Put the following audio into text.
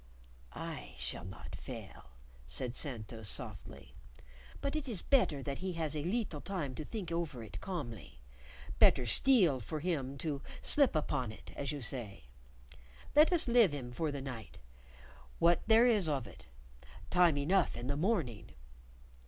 "I shall not fail," said Santos softly. "But it is better that he has a leetle time to think over it calmly; better steel for 'im to slip upon it, as you say. Let us live 'im for the night, what there is of it; time enough in the morning."